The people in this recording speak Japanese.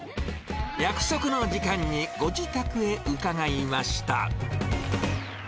約束の時間にご自宅へ伺いました。